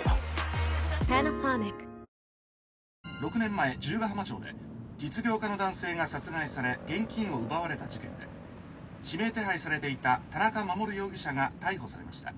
６年前十ヶ浜町で実業家の男性が殺害され現金を奪われた事件で指名手配されていた田中守容疑者が逮捕されました。